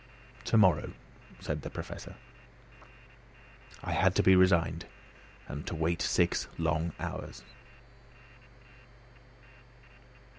"To morrow," said the Professor. I had to be resigned and to wait six long hours.